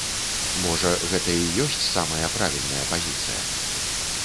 Можа гэта і ёсць самая правільная пазіцыя?